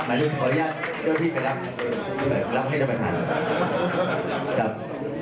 ได้เบอร์หนึ่งนะครับท่านแหล่งพิธีเกียรติศาสตร์ได้เบอร์หนึ่งนะครับ